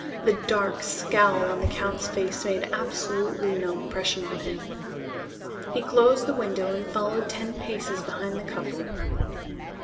The dark scowl on the count's face made absolutely no impression upon him. He closed the window and followed ten paces behind the couple.